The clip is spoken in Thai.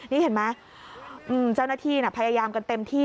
นี่เห็นไหมเจ้าหน้าที่พยายามกันเต็มที่